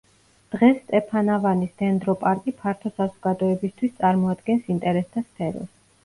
დღეს სტეფანავანის დენდროპარკი ფართო საზოგადოებისთვის წარმოადგენს ინტერესთა სფეროს.